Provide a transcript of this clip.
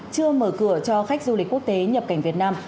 chưa mở cửa cho khách du lịch quốc tế nhập cảnh việt nam